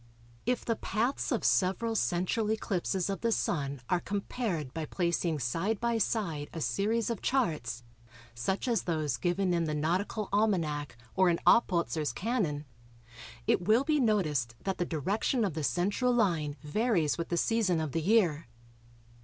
If the paths of several central eclipses of the Sun are compared by placing side by side a series of charts, such as those given in the Nautical Almanac or in Oppolzer's Canon, it will be noticed that the direction of the central line varies with the season of the year.